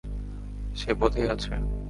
সে পথেই আছে।